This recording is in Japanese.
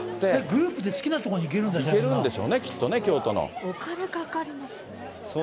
グループで好きな所に行けるんだ、行けるんでしょうね、きっとお金かかりますね。